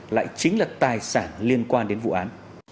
lại chính là tài sản liên quan đến vụ án